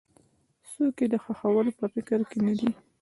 څوک یې د ښخولو په فکر کې نه دي.